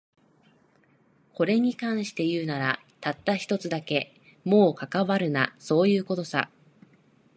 これに関して言うなら、たった一つだけ。もう関わるな、そういう事さ。